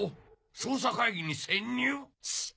捜査会議に潜入⁉シッ！